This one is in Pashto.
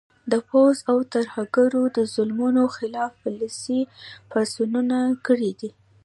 د پوځ او ترهګرو د ظلمونو خلاف ولسي پاڅونونه کړي دي